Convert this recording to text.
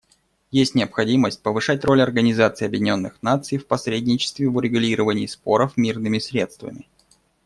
Есть необходимость повышать роль Организации Объединенных Наций в посредничестве в урегулировании споров мирными средствами.